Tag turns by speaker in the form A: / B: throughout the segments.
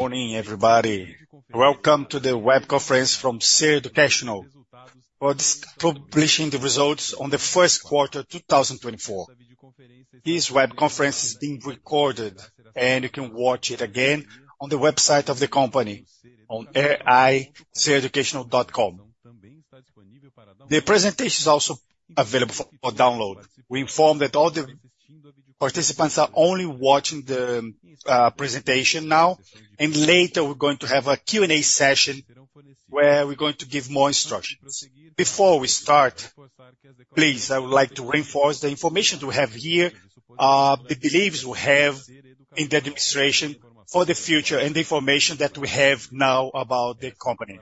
A: Morning, everybody. Welcome to the web conference from Ser Educacional. We're publishing the results on the first quarter 2024. This web conference is being recorded, and you can watch it again on the website of the company on ri.sereducacional.com. The presentation is also available for download. We inform that all the participants are only watching the presentation now, and later, we're going to have a Q&A session, where we're going to give more instructions. Before we start, please, I would like to reinforce the information we have here, the beliefs we have in the administration for the future and the information that we have now about the company.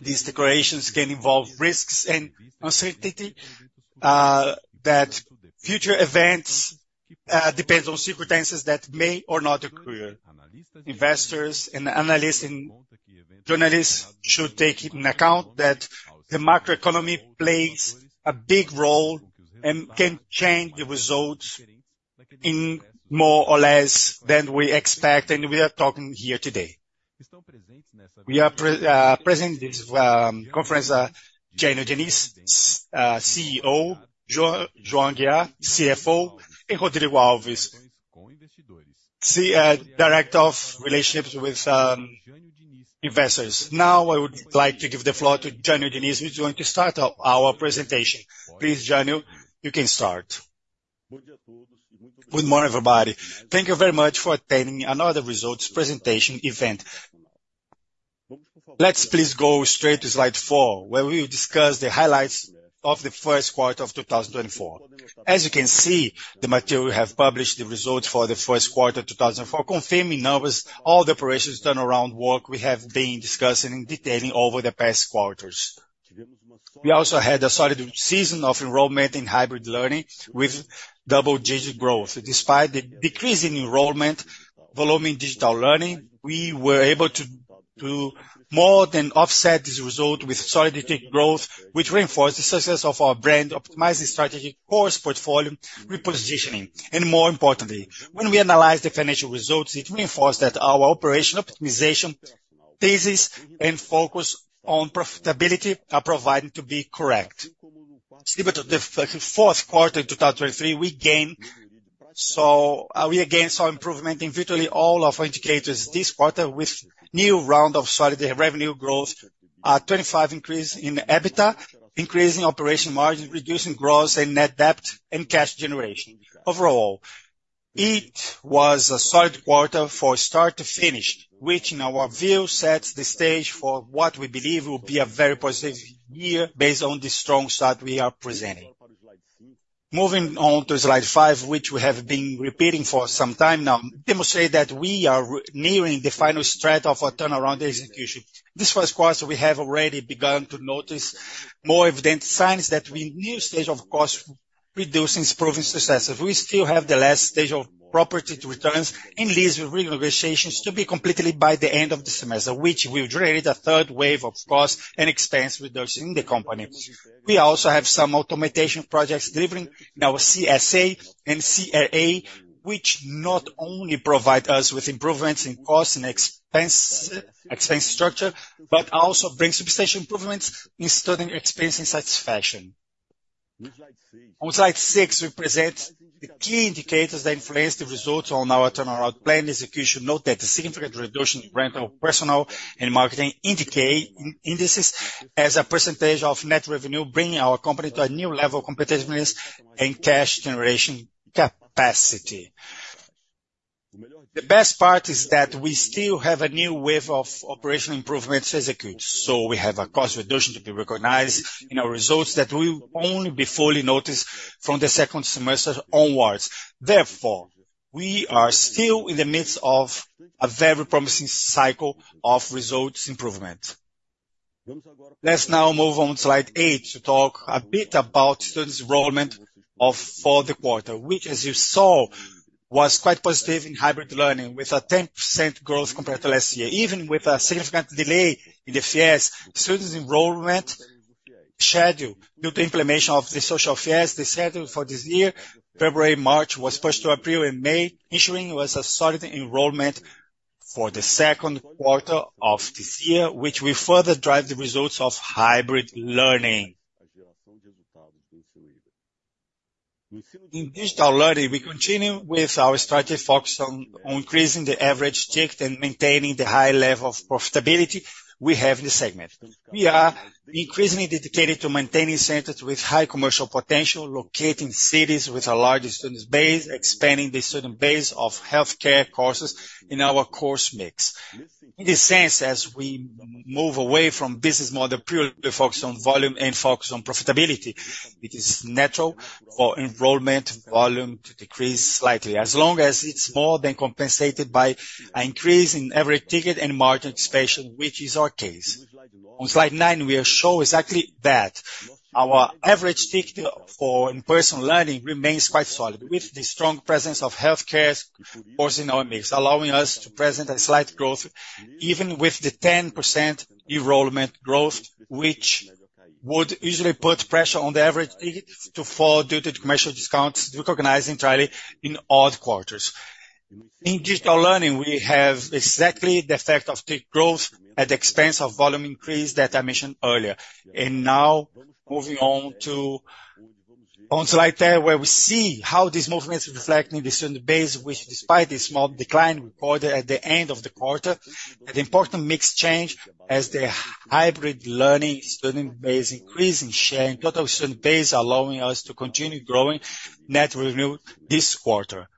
A: These declarations can involve risks and uncertainty that future events depends on circumstances that may or not occur. Investors and analysts and journalists should take into account that the macroeconomy plays a big role and can change the results in more or less than we expect, and we are talking here today. We are present in this conference, Jânyo Diniz, CEO, João Aguiar, CFO, and Rodrigo Alves, Director of Investor Relations. Now, I would like to give the floor to Jânyo Diniz, who's going to start our presentation. Please, Jânyo, you can start.
B: Good morning, everybody. Thank you very much for attending another results presentation event. Let's please go straight to slide 4, where we will discuss the highlights of the first quarter of 2024. As you can see, the material we have published, the results for the first quarter of 2024, confirming numbers, all the operations turnaround work we have been discussing and detailing over the past quarters. We also had a solid season of enrollment in hybrid learning with double-digit growth. Despite the decrease in enrollment volume in digital learning, we were able to more than offset this result with solid tech growth, which reinforced the success of our brand, optimizing strategic course portfolio repositioning. And more importantly, when we analyze the financial results, it reinforce that our operation optimization thesis and focus on profitability are proven to be correct. Similar to the fourth quarter in 2023, we gained, so we again saw improvement in virtually all of our indicators this quarter with new round of solid revenue growth, a 25% increase in the EBITDA, increasing operating margin, reducing gross and net debt, and cash generation. Overall, it was a solid quarter from start to finish, which in our view, sets the stage for what we believe will be a very positive year based on the strong start we are presenting. Moving on to slide 5, which we have been repeating for some time now, demonstrates that we are nearing the final stretch of our turnaround execution. This first quarter, we have already begun to notice more evident signs that a new stage of cost reduction is proving successful. We still have the last stage of property returns and lease renegotiations to be completed by the end of the semester, which will generate a third wave of cost and expense reductions in the company. We also have some automation projects delivering in our CSA and CRA, which not only provide us with improvements in cost and expense, expense structure, but also brings substantial improvements in studying experience and satisfaction. On slide six, we present the key indicators that influence the results on our turnaround plan execution. Note that the significant reduction in rental, personnel, and marketing indicate indices as a percentage of net revenue, bringing our company to a new level of competitiveness and cash generation capacity. The best part is that we still have a new wave of operational improvements to execute, so we have a cost reduction to be recognized in our results that will only be fully noticed from the second semester onwards. Therefore, we are still in the midst of a very promising cycle of results improvement. Let's now move on to slide 8 to talk a bit about students' enrollment for the quarter, which, as you saw, was quite positive in hybrid learning, with a 10% growth compared to last year. Even with a significant delay in the FIES, students' enrollment schedule, due to implementation of the Social FIES, the schedule for this year, February, March, was pushed to April and May, ensuring it was a solid enrollment for the second quarter of this year, which will further drive the results of hybrid learning. In digital learning, we continue with our strategy focused on increasing the average ticket and maintaining the high level of profitability we have in the segment. We are increasingly dedicated to maintaining centers with high commercial potential, locating cities with a large student base, expanding the student base of healthcare courses in our course mix. In this sense, as we move away from business model purely focused on volume and focused on profitability, it is natural for enrollment volume to decrease slightly, as long as it's more than compensated by an increase in average ticket and margin expansion, which is our case. On slide 9, we will show exactly that. Our average ticket for in-person learning remains quite solid, with the strong presence of healthcare course in our mix, allowing us to present a slight growth, even with the 10% enrollment growth, which-... Would usually put pressure on the average to fall due to the commercial discounts recognizing entirely in all quarters. In digital learning, we have exactly the effect of tick growth at the expense of volume increase that I mentioned earlier. And now moving on to slide 10, where we see how these movements reflect in the student base, which despite the small decline recorded at the end of the quarter, an important mix change as the hybrid learning student base increase in share and total student base, allowing us to continue growing net revenue this quarter.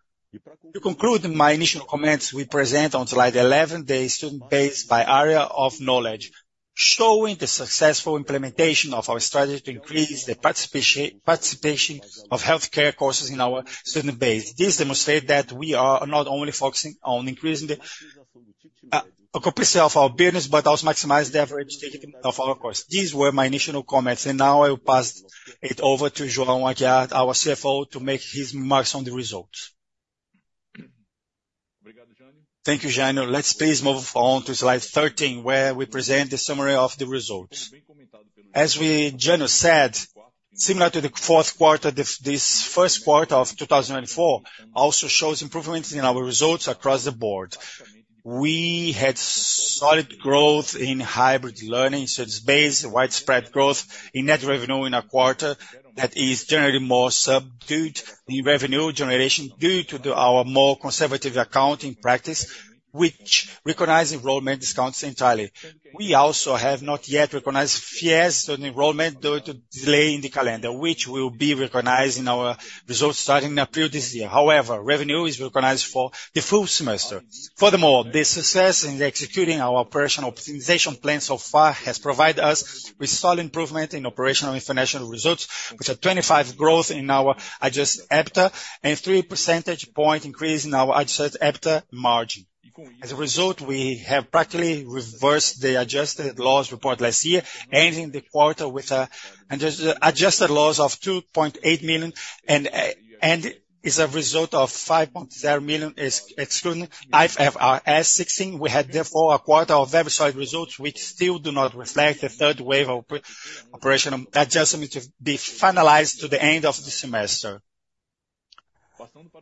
B: To conclude my initial comments, we present on slide 11 the student base by area of knowledge, showing the successful implementation of our strategy to increase the participation of healthcare courses in our student base. This demonstrates that we are not only focusing on increasing the occupancy of our business, but also maximize the average ticket of our course. These were my initial comments, and now I will pass it over to João Aguiar, our CFO, to make his remarks on the results.
C: Thank you, Jânyo. Let's please move on to slide 13, where we present the summary of the results. As Jânyo said, similar to the fourth quarter, this first quarter of 2024 also shows improvements in our results across the board. We had solid growth in hybrid learning students base, widespread growth in net revenue in a quarter that is generally more subdued in revenue generation, due to our more conservative accounting practice, which recognize enrollment discounts entirely. We also have not yet recognized FIES on enrollment due to delay in the calendar, which will be recognized in our results starting in April this year. However, revenue is recognized for the full semester. Furthermore, the success in executing our operational optimization plan so far has provided us with solid improvement in operational and international results, which are 25% growth in our adjusted EBITDA and 3 percentage point increase in our adjusted EBITDA margin. As a result, we have practically reversed the adjusted loss reported last year, ending the quarter with adjusted loss of 2.8 million, and as a result of 5.0 million excluding IFRS 16. We had, therefore, a quarter of very solid results, which still do not reflect the third wave of operational adjustment to be finalized to the end of the semester.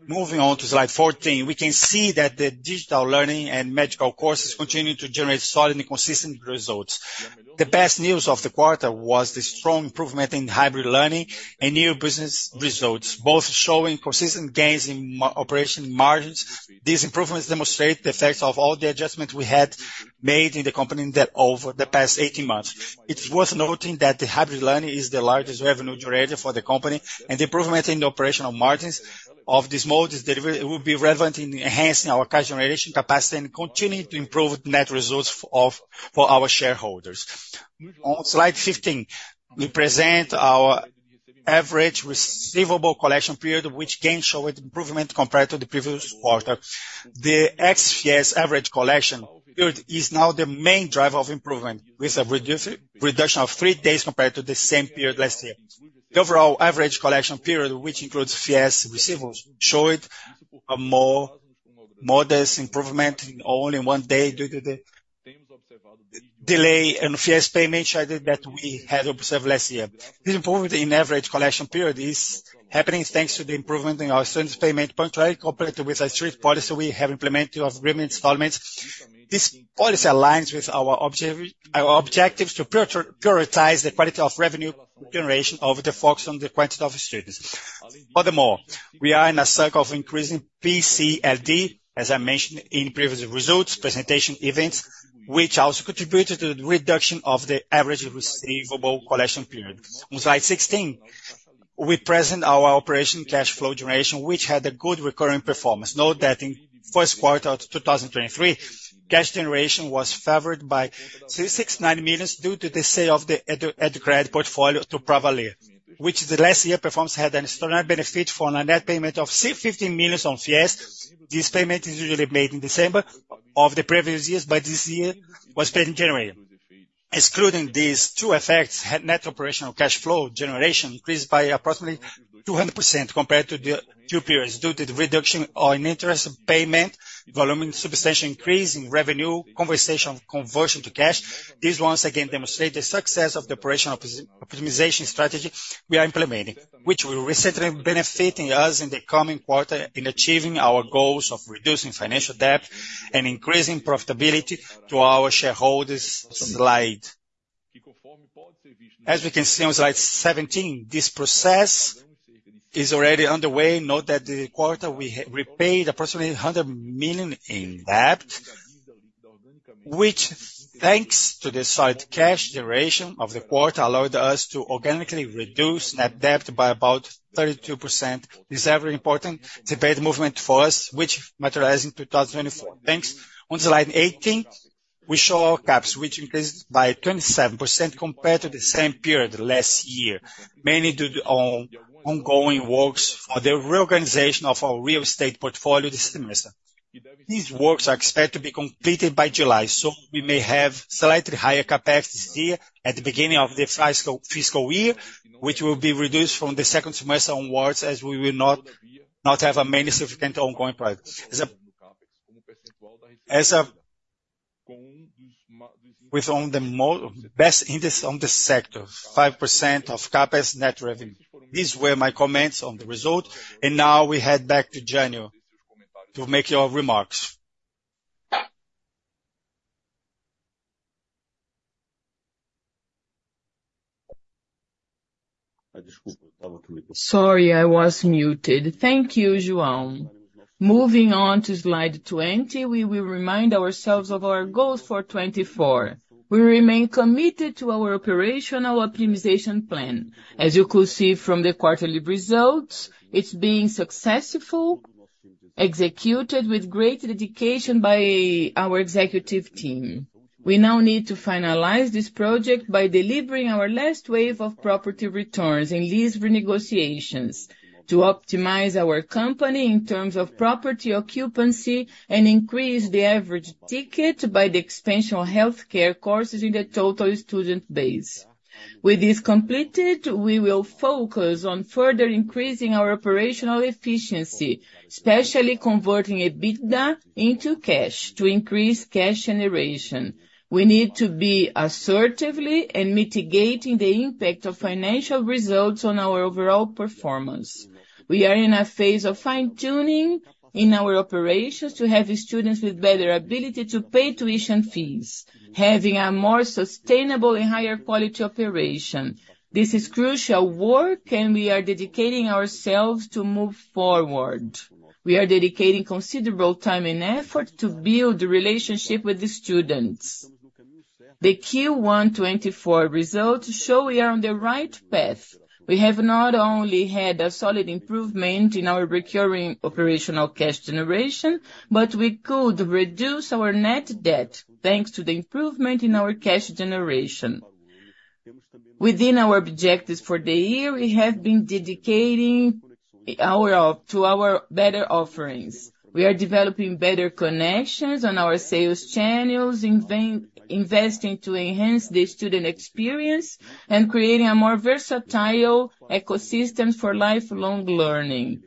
C: Moving on to slide 14, we can see that the digital learning and medical courses continue to generate solid and consistent results. The best news of the quarter was the strong improvement in hybrid learning and new business results, both showing consistent gains in operating margins. These improvements demonstrate the effects of all the adjustments we had made in the company over the past 18 months. It's worth noting that the hybrid learning is the largest revenue generator for the company, and the improvement in the operational margins of this mode will be relevant in enhancing our cash generation capacity and continuing to improve net results for our shareholders. On slide 15, we present our average receivable collection period, which again showed improvement compared to the previous quarter. The ex-FIES average collection period is now the main driver of improvement, with a reduction of three days compared to the same period last year. The overall average collection period, which includes FIES receivables, showed a more modest improvement in only one day due to the delay in FIES payment schedule that we had observed last year. The improvement in average collection period is happening thanks to the improvement in our students' payment punctuality, coupled with a strict policy we have implemented of agreement installments. This policy aligns with our objectives to prioritize the quality of revenue generation over the focus on the quantity of students. Furthermore, we are in a cycle of increasing PCLD, as I mentioned in previous results, presentation events, which also contributed to the reduction of the average receivable collection period. On slide 16, we present our operational cash flow generation, which had a good recurring performance. Note that in first quarter of 2023, cash generation was favored by 369 million, due to the sale of the Educred portfolio to Pravaler, which the last year performance had an extraordinary benefit for a net payment of 65 million on FIES. This payment is usually made in December of the previous years, but this year was paid in January. Excluding these two effects, net operational cash flow generation increased by approximately 200% compared to the two periods, due to the reduction on interest payment, volume substantial increase in revenue, conversion to cash. This once again demonstrates the success of the operational optimization strategy we are implementing, which will recently benefit us in the coming quarter in achieving our goals of reducing financial debt and increasing profitability to our shareholders. Slide. As we can see on slide 17, this process is already underway. Note that in the quarter, we repaid approximately 100 million in debt, which, thanks to the solid cash generation of the quarter, allowed us to organically reduce net debt by about 32%. This is a very important debt movement for us, which materialize in 2024. Thanks. On slide 18, we show our CapEx, which increased by 27% compared to the same period last year, mainly due to ongoing works for the reorganization of our real estate portfolio this semester. These works are expected to be completed by July, so we may have slightly higher capacity here at the beginning of the fiscal year, which will be reduced from the second semester onwards, as we will not have as many significant ongoing projects. As of, with one of the best interest in the sector, 5% of CapEx net revenue. These were my comments on the result, and now we head back to Jânyo to make your remarks.
B: Sorry, I was muted. Thank you, João. Moving on to slide 20, we will remind ourselves of our goals for 2024. We remain committed to our operational optimization plan. As you could see from the quarterly results, it's being successful, executed with great dedication by our executive team. We now need to finalize this project by delivering our last wave of property returns and lease renegotiations to optimize our company in terms of property occupancy, and increase the average ticket by the expansion of healthcare courses in the total student base. With this completed, we will focus on further increasing our operational efficiency, especially converting EBITDA into cash to increase cash generation. We need to be assertively and mitigating the impact of financial results on our overall performance. We are in a phase of fine-tuning in our operations to have students with better ability to pay tuition FIES, having a more sustainable and higher quality operation. This is crucial work, and we are dedicating ourselves to move forward. We are dedicating considerable time and effort to build the relationship with the students. The Q1 2024 results show we are on the right path. We have not only had a solid improvement in our recurring operational cash generation, but we could reduce our net debt, thanks to the improvement in our cash generation. Within our objectives for the year, we have been dedicating our, to our better offerings. We are developing better connections on our sales channels, investing to enhance the student experience, and creating a more versatile ecosystem for lifelong learning.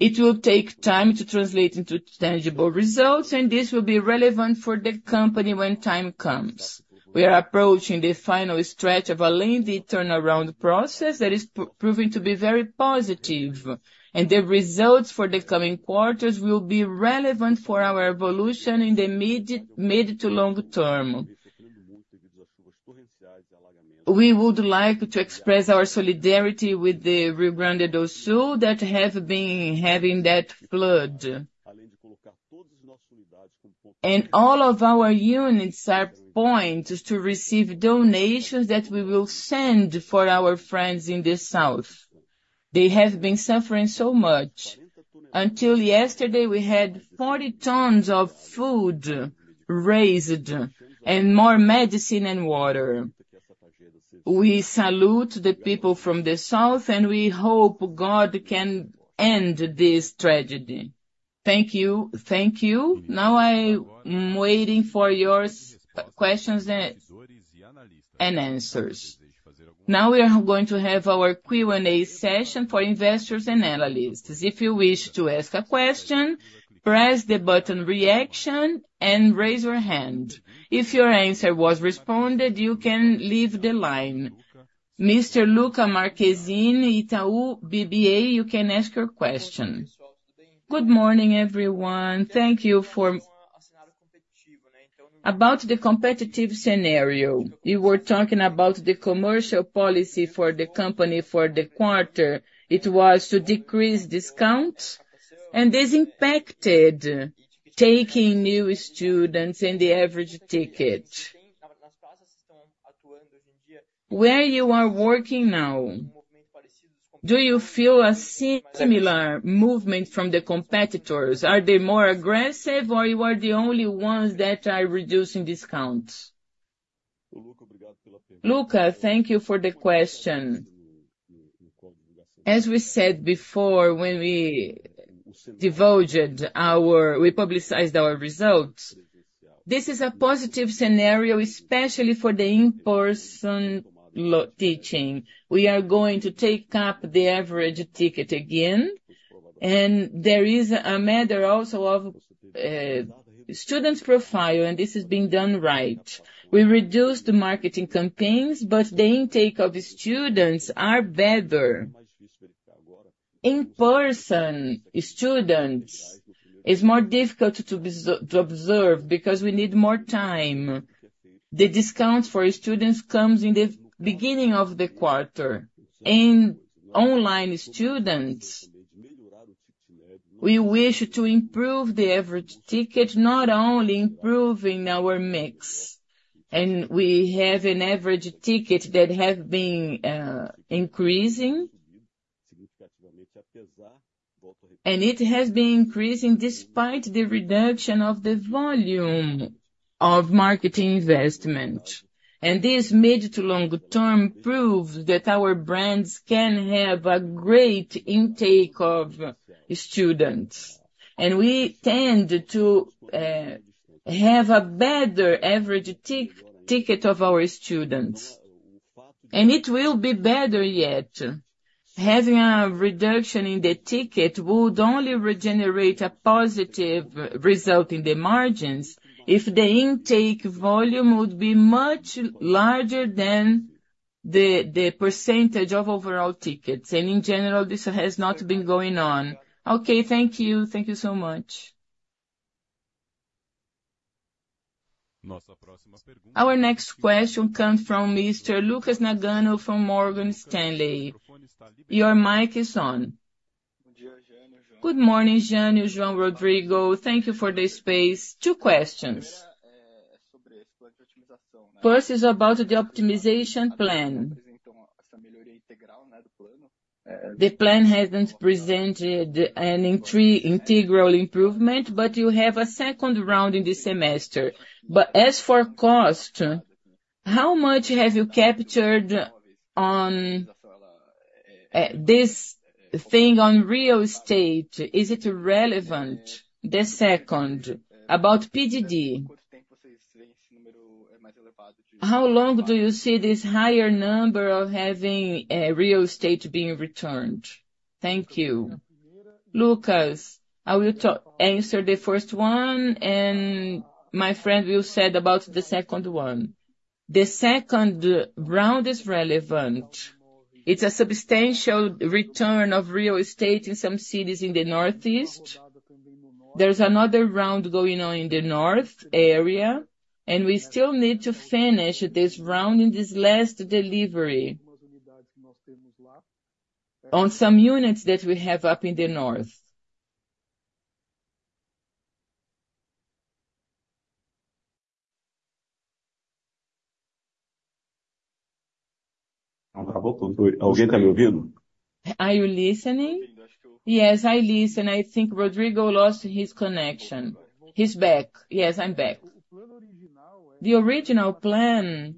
B: It will take time to translate into tangible results, and this will be relevant for the company when time comes. We are approaching the final stretch of a lengthy turnaround process that is proving to be very positive, and the results for the coming quarters will be relevant for our evolution in the immediate, mid to long term. We would like to express our solidarity with the Rio Grande do Sul that have been having that flood. All of our units are points to receive donations that we will send for our friends in the South. They have been suffering so much. Until yesterday, we had 40 tons of food raised, and more medicine and water. We salute the people from the South, and we hope God can end this tragedy. Thank you, thank you. Now I am waiting for your questions and answers.
A: Now we are going to have our Q&A session for investors and analysts. If you wish to ask a question, press the button reaction and raise your hand. If your answer was responded, you can leave the line. Mr. Lucca Marquezini, Itaú BBA, you can ask your question.
D: Good morning, everyone. Thank you. About the competitive scenario, you were talking about the commercial policy for the company for the quarter. It was to decrease discount, and this impacted taking new students in the average ticket. Where you are working now, do you feel a similar movement from the competitors? Are they more aggressive, or you are the only ones that are reducing discounts?
B: Lucca, thank you for the question. As we said before, when we publicized our results, this is a positive scenario, especially for the in-person teaching. We are going to take up the average ticket again, and there is a matter also of student profile, and this is being done right. We reduced the marketing campaigns, but the intake of the students are better. In-person students, it's more difficult to observe because we need more time. The discounts for students comes in the beginning of the quarter. In online students, we wish to improve the average ticket, not only improving our mix. And we have an average ticket that have been increasing, and it has been increasing despite the reduction of the volume of marketing investment. And this mid to long term proves that our brands can have a great intake of students, and we tend to have a better average ticket of our students. And it will be better yet. Having a reduction in the ticket would only regenerate a positive result in the margins, if the intake volume would be much larger than the percentage of overall tickets, and in general, this has not been going on.
D: Okay, thank you. Thank you so much.
A: Our next question comes from Mr. Lucas Nagano from Morgan Stanley. Your mic is on.
E: Good morning, Jânyo, João, Rodrigo. Thank you for the space. Two questions. First is about the optimization plan. The plan hasn't presented an integral improvement, but you have a second round in this semester. But as for cost, how much have you captured on, this thing on real estate? Is it relevant? The second, about PDD. How long do you see this higher number of having, real estate being returned? Thank you.
B: Lucas, I will answer the first one, and my friend will say about the second one. The second round is relevant. It's a substantial return of real estate in some cities in the Northeast. There's another round going on in the North area, and we still need to finish this round in this last delivery on some units that we have up in the North.
A: Are you listening to me?
C: Are you listening? Yes, I listen. I think Rodrigo lost his connection. He's back.
F: Yes, I'm back. The original plan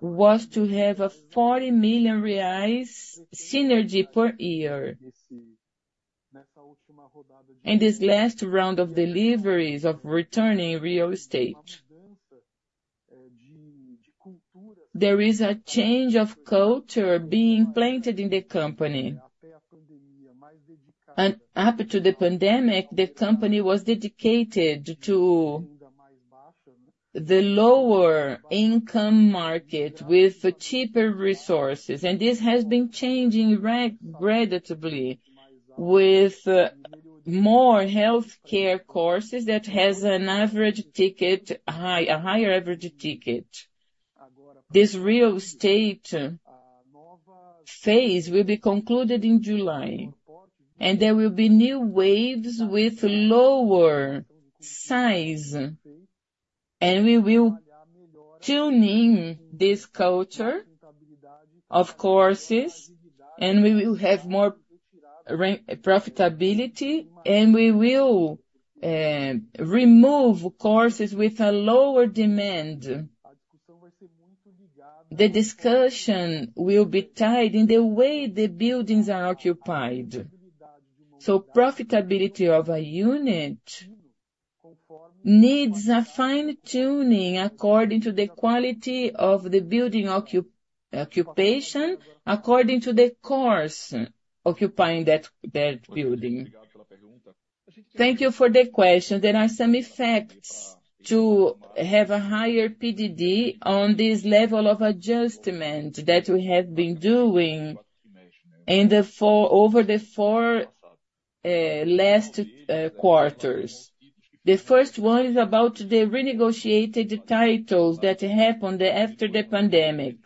F: was to have a 40 million reais synergy per year. In this last round of deliveries of returning real estate. There is a change of culture being planted in the company. Up to the pandemic, the company was dedicated to the lower income market with cheaper resources, and this has been changing gradually, with more healthcare courses that has an average ticket—a higher average ticket. This real estate phase will be concluded in July, and there will be new waves with lower size, and we will tune in this culture of courses, and we will have more profitability, and we will remove courses with a lower demand. The discussion will be tied in the way the buildings are occupied. So profitability of a unit needs a fine-tuning according to the quality of the building occupation, according to the course occupying that building. Thank you for the question.
C: There are some effects to have a higher PDD on this level of adjustment that we have been doing over the four last quarters. The first one is about the renegotiated titles that happened after the pandemic.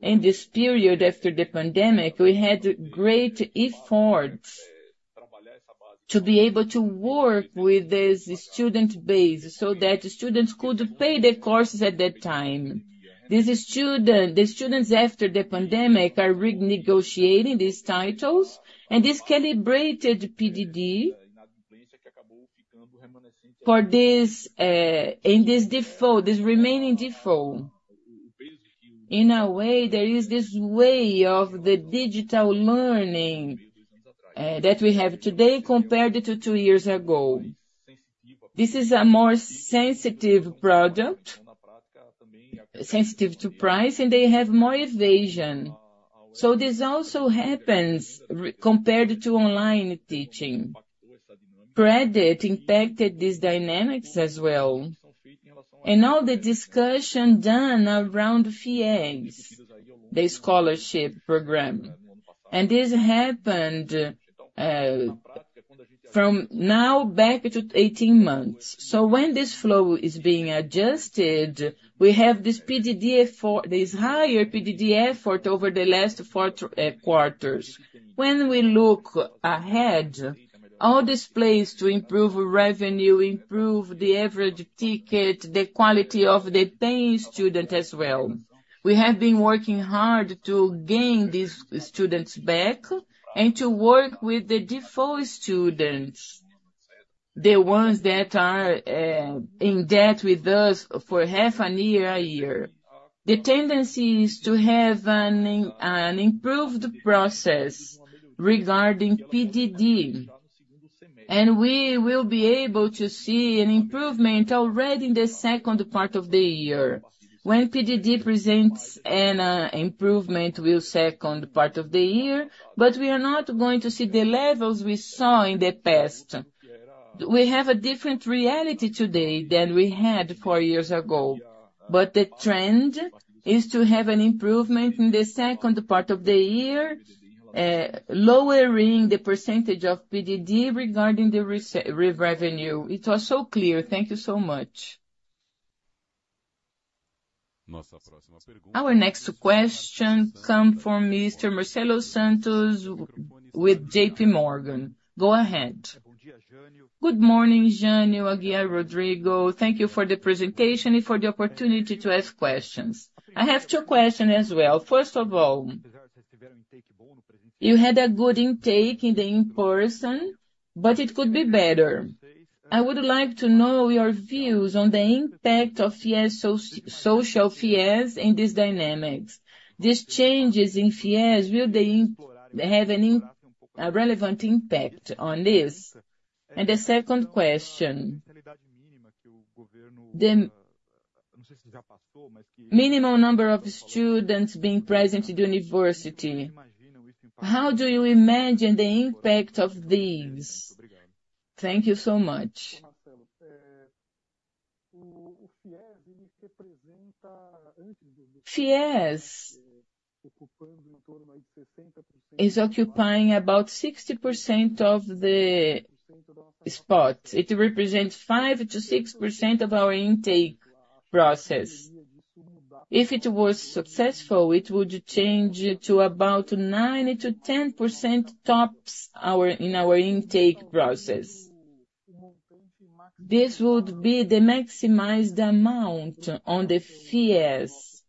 C: In this period after the pandemic, we had great efforts to be able to work with the student base, so that students could pay the courses at that time. The students after the pandemic are renegotiating these titles and this calibrated PDD for this in this default, this remaining default. In a way, there is this way of the digital learning that we have today compared to two years ago. This is a more sensitive product, sensitive to price, and they have more evasion. So this also happens compared to online teaching. Credit impacted these dynamics as well, and all the discussion done around FIES, the scholarship program. This happened from now back to 18 months. When this flow is being adjusted, we have this PDD effort, this higher PDD effort over the last four quarters. When we look ahead, all this plays to improve revenue, improve the average ticket, the quality of the paying student as well. We have been working hard to gain these students back and to work with the default students, the ones that are in debt with us for half a year, a year. The tendency is to have an improved process regarding PDD. We will be able to see an improvement already in the second part of the year, when PDD presents an improvement in the second part of the year, but we are not going to see the levels we saw in the past. We have a different reality today than we had four years ago, but the trend is to have an improvement in the second part of the year, lowering the percentage of PDD regarding the revenue. It was so clear. Thank you so much.
A: Our next question come from Mr. Marcelo Santos with JPMorgan. Go ahead.
G: Good morning, Jânyo, Aguiar, Rodrigo. Thank you for the presentation and for the opportunity to ask questions. I have two questions as well. First of all, you had a good intake in the in-person, but it could be better. I would like to know your views on the impact of FIES, social FIES in these dynamics. These changes in FIES, will they have any, a relevant impact on this? And the second question, the minimum number of students being present in the university, how do you imagine the impact of these?
F: Thank you so much. FIES is occupying about 60% of the spot. It represents 5%-6% of our intake process. If it was successful, it would change to about 9%-10% tops in our intake process. This would be the maximized amount on the FIES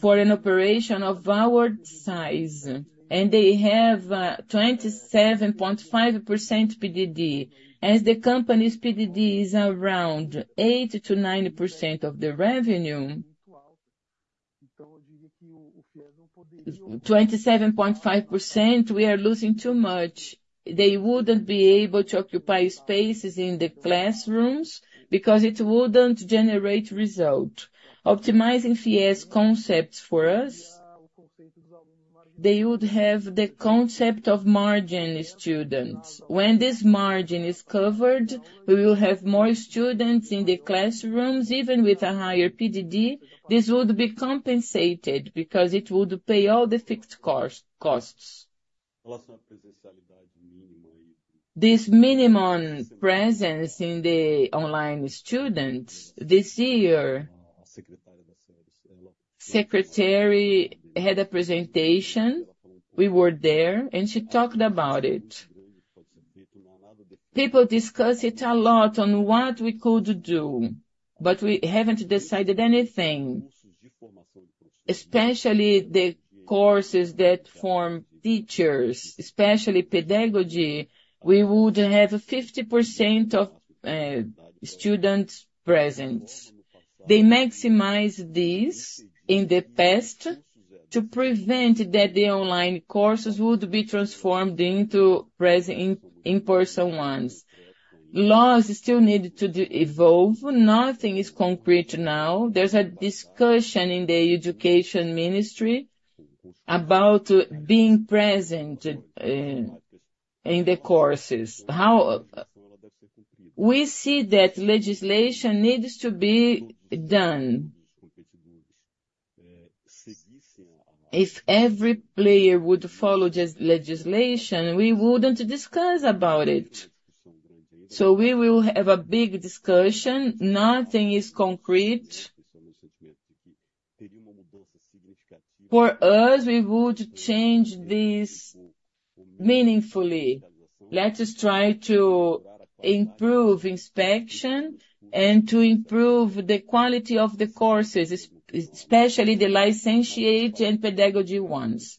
F: for an operation of our size, and they have 27.5% PDD, as the company's PDD is around 8%-9% of the revenue. 27.5%, we are losing too much. They wouldn't be able to occupy spaces in the classrooms because it wouldn't generate result. Optimizing FIES concepts for us, they would have the concept of margin students. When this margin is covered, we will have more students in the classrooms, even with a higher PDD, this would be compensated because it would pay all the fixed cost, costs. This minimum presence in the online students this year, Secretary had a presentation, we were there, and she talked about it. People discuss it a lot on what we could do, but we haven't decided anything, especially the courses that form teachers, especially pedagogy, we would have 50% of students present. They maximize this in the past to prevent that the online courses would be transformed into present in-person ones. Laws still need to evolve. Nothing is concrete now. There's a discussion in the Education Ministry about being present in the courses. We see that legislation needs to be done.
B: If every player would follow this legislation, we wouldn't discuss about it. So we will have a big discussion. Nothing is concrete. For us, we would change this meaningfully. Let us try to improve inspection and to improve the quality of the courses, especially the licentiate and pedagogy ones.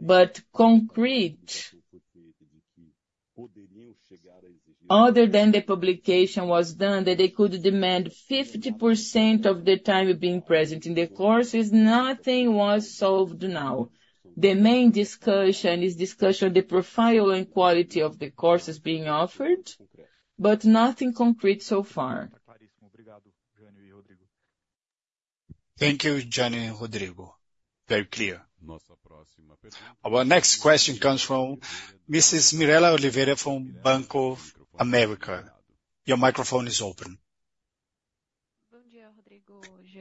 B: But concrete, other than the publication was done, that they could demand 50% of the time being present in the courses, nothing was solved now. The main discussion is the profile and quality of the courses being offered, but nothing concrete so far.
G: Thank you, Jânyo and Rodrigo. Very clear.
A: Our next question comes from Mrs. Mirela Oliveira, from Bank of America. Your microphone is open.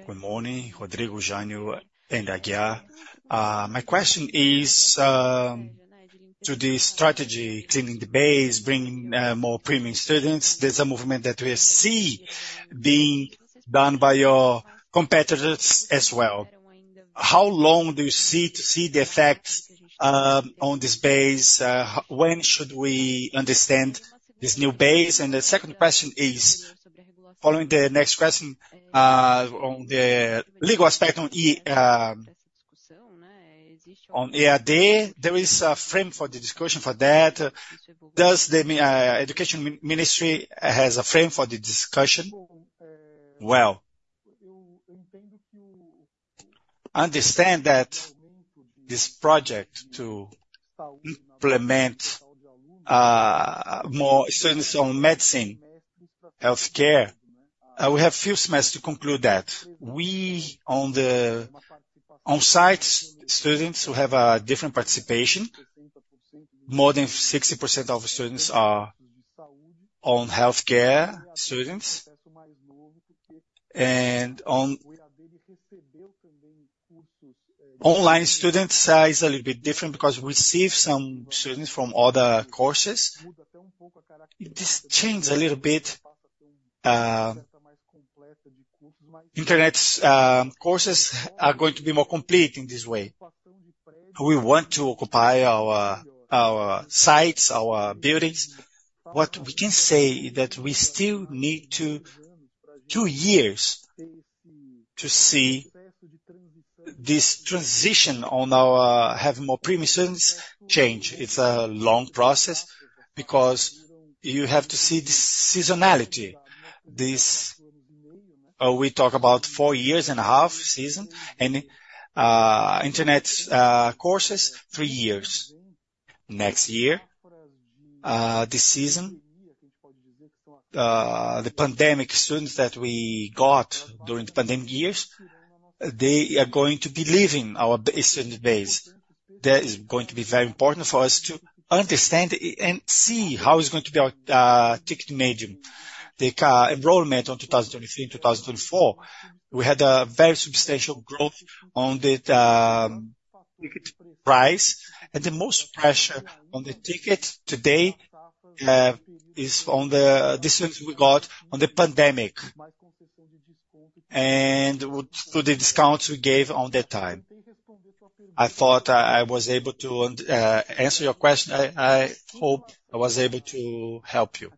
H: Good morning, Rodrigo, Jânyo, and João Aguiar. My question is to the strategy, cleaning the base, bringing more premium students. There's a movement that we see being done by your competitors as well. How long do you see to see the effects on this base? When should we understand this new base? And the second question is, following the next question, on the legal aspect on E, on EAD, there is a frame for the discussion for that. Does the education ministry has a frame for the discussion?
F: Understand that this project to implement more students on medicine, health care, we have few semesters to conclude that. We on the on-site students who have a different participation, more than 60% of students are on healthcare students. Online students is a little bit different because we receive some students from other courses. This changes a little bit. Internet courses are going to be more complete in this way. We want to occupy our sites, our buildings. What we can say is that we still need two years to see this transition on our have more premium students change. It's a long process because you have to see the seasonality. This we talk about 4.5 years season and internet courses, three years. Next year this season the pandemic students that we got during the pandemic years, they are going to be leaving our student base. That is going to be very important for us to understand and see how it's going to be our average ticket. The enrollment on 2023 and 2024, we had a very substantial growth on the ticket price, and the most pressure on the ticket today is on the students we got on the pandemic, and to the discounts we gave on that time. I thought I was able to answer your question. I hope I was able to help you.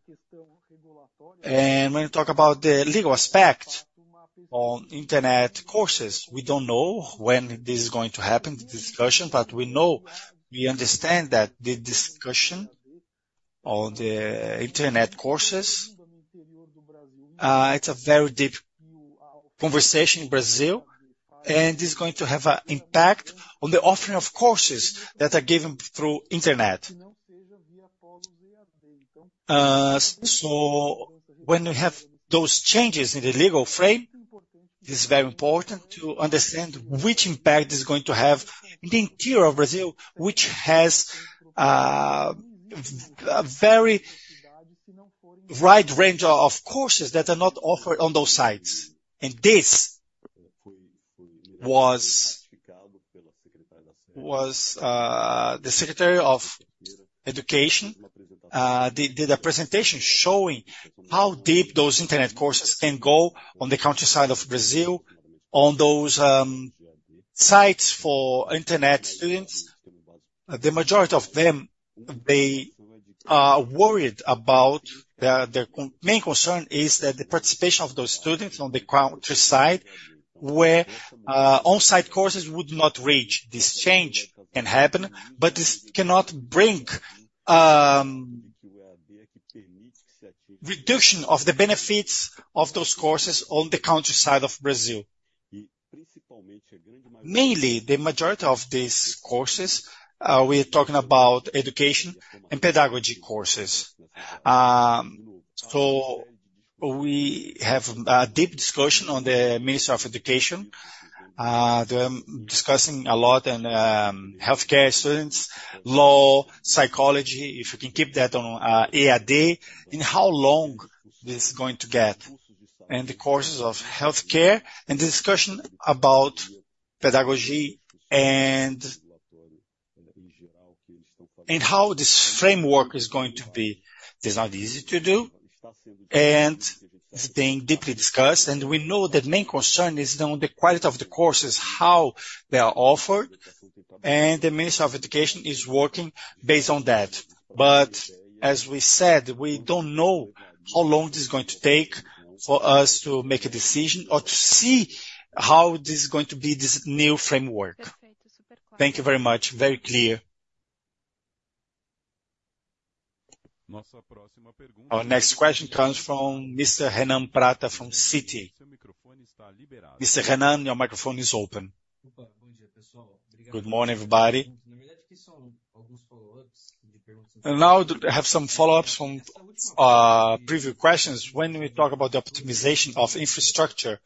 B: And when you talk about the legal aspect on internet courses, we don't know when this is going to happen, the discussion, but we know, we understand that the discussion on the internet courses, it's a very deep conversation in Brazil, and this is going to have a impact on the offering of courses that are given through internet. So when we have those changes in the legal frame, it's very important to understand which impact is going to have in the interior of Brazil, which has a very wide range of courses that are not offered on those sites. And this was the Secretary of Education did a presentation showing how deep those internet courses can go on the countryside of Brazil, on those sites for internet students. The majority of them, they are worried about... main concern is that the participation of those students on the countryside, where on-site courses would not reach. This change can happen, but this cannot bring reduction of the benefits of those courses on the countryside of Brazil. Mainly, the majority of these courses, we're talking about education and pedagogy courses. We have a deep discussion on the Ministry of Education. They're discussing a lot on healthcare students, law, psychology, if we can keep that on EAD, and how long this is going to get, and the courses of healthcare, and the discussion about pedagogy and how this framework is going to be. It's not easy to do, and it's being deeply discussed. We know the main concern is on the quality of the courses, how they are offered, and the Ministry of Education is working based on that. As we said, we don't know how long this is going to take for us to make a decision or to see how this is going to be, this new framework.
H: Thank you very much. Very clear.
A: Our next question comes from Mr. Renan Prata from Citi. Mr. Renan, your microphone is open.
I: Good morning, everybody. Now I do have some follow-ups from previous questions. When we talk about the optimization of infrastructure,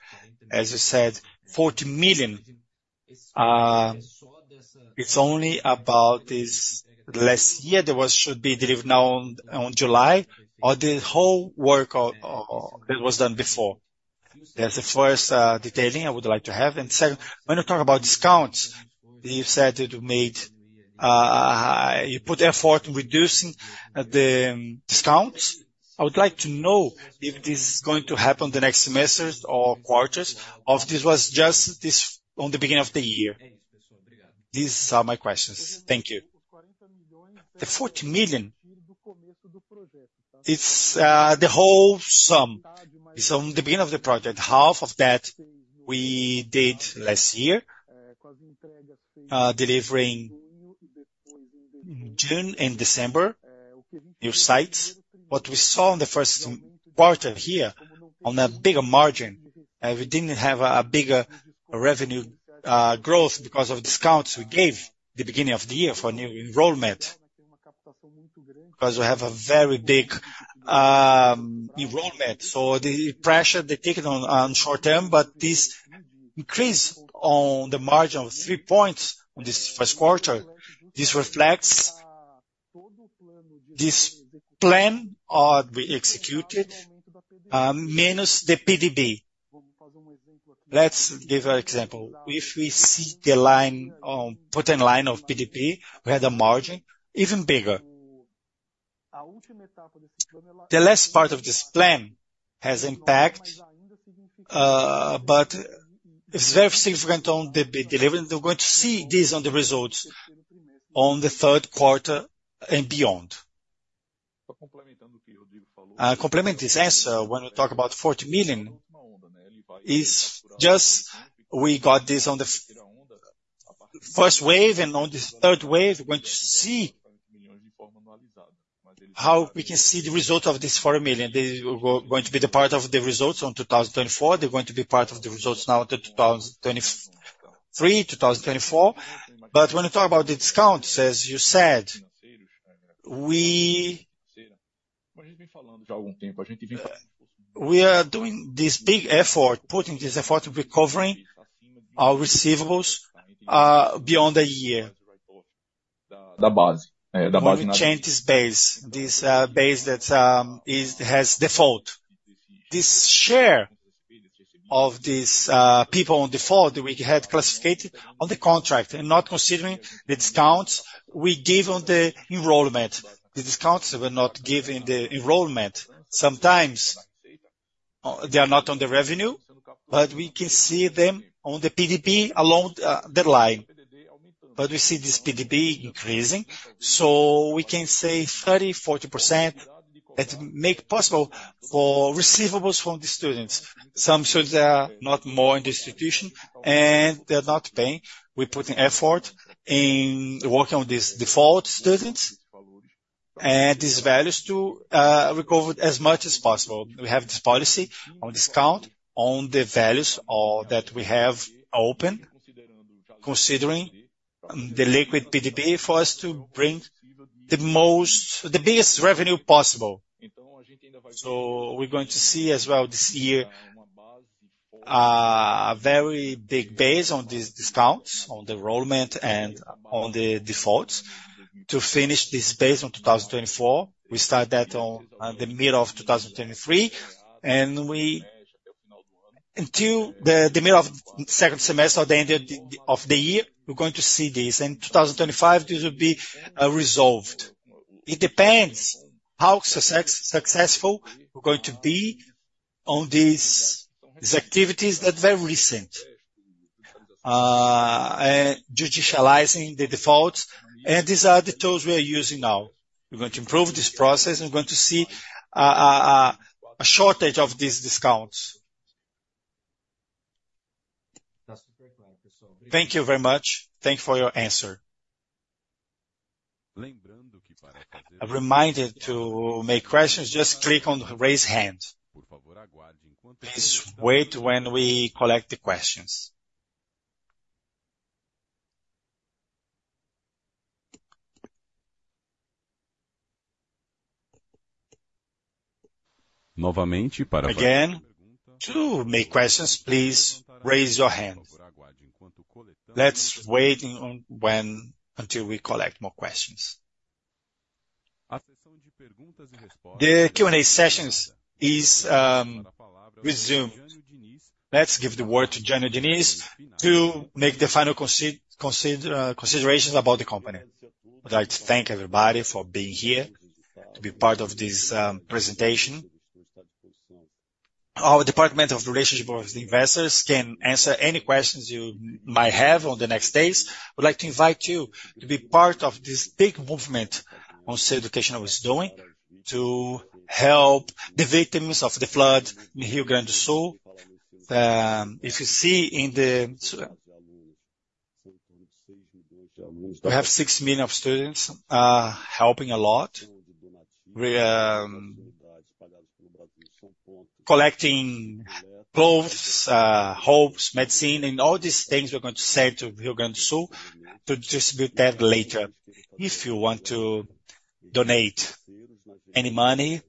I: as you said, 40 million, it's only about this last year, that was should be delivered now on, on July, or the whole work that was done before? That's the first detailing I would like to have. And second, when you talk about discounts, you said that you made, you put effort in reducing the discounts. I would like to know if this is going to happen the next semesters or quarters, or if this was just this, on the beginning of the year. These are my questions. Thank you.
F: The 40 million, it's the whole sum. It's on the beginning of the project. Half of that we did last year, delivering June and December, new sites. What we saw in the first quarter here on a bigger margin, we didn't have a bigger revenue growth because of discounts we gave the beginning of the year for new enrollment, because we have a very big enrollment. So the pressure they taken on short term, but this increase on the margin of 3 points on this first quarter, this reflects this plan we executed, minus the PDD.
C: Let's give an example. If we see the line put in line of PDD, we had a margin even bigger. The last part of this plan has impact, but it's very significant on the delivery, and we're going to see this on the results on the third quarter and beyond. To complement this answer, when we talk about 40 million, it is just we got this on the first wave, and on this third wave, we're going to see how we can see the result of this 40 million. They are going to be the part of the results on 2024. They're going to be part of the results now until 2023, 2024. But when you talk about the discounts, as you said, we are doing this big effort, putting this effort to recovering our receivables beyond a year. When we change this base, this base that has default. This share of these people on default, we had classified on the contract and not considering the discounts we gave on the enrollment. The discounts were not given in the enrollment. Sometimes, they are not on the revenue, but we can see them on the PDD along the line. But we see this PDD increasing, so we can say 30%-40% that make possible for receivables from the students. Some students are not more in the institution, and they're not paying. We're putting effort in working with these default students, and these values to recover as much as possible. We have this policy on discount, on the values that we have open, considering the liquid PDD for us to bring the most, the biggest revenue possible. So we're going to see as well this year a very big base on these discounts, on the enrollment and on the defaults. To finish this base on 2024, we start that on the middle of 2023, and we until the middle of second semester or the end of the year, we're going to see this. In 2025, this will be resolved. It depends how successful we're going to be on these activities that are very recent. Judicializing the defaults, and these are the tools we are using now. We're going to improve this process, and we're going to see a shortage of these discounts.
I: Thank you very much. Thank you for your answer.
A: A reminder to make questions, just click on the Raise Hand. Please wait when we collect the questions. Again, to make questions, please raise your hand. Let's wait until we collect more questions. The Q&A session is resumed. Let's give the word to Jânyo Diniz to make the final considerations about the company.
B: I'd like to thank everybody for being here, to be part of this presentation. Our Department of Relationship with Investors can answer any questions you might have on the next days. I would like to invite you to be part of this big movement Ser Educacional is doing to help the victims of the flood in Rio Grande do Sul. If you see in the... We have 6 million of students helping a lot. We collecting clothes, homes, medicine, and all these things we're going to send to Rio Grande do Sul to distribute that later. If you want to donate any money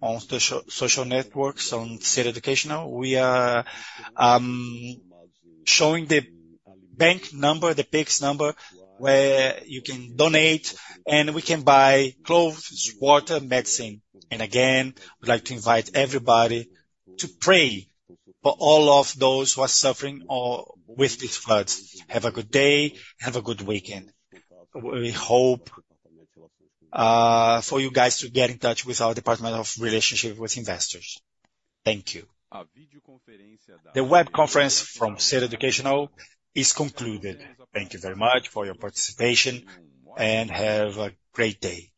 B: on social, social networks, on Ser Educacional, we are showing the bank number, the Pix number, where you can donate, and we can buy clothes, water, medicine. And again, I'd like to invite everybody to pray for all of those who are suffering with these floods. Have a good day. Have a good weekend. We hope for you guys to get in touch with our Investor Relations Department. Thank you.
A: The web conference from Ser Educacional is concluded. Thank you very much for your participation, and have a great day.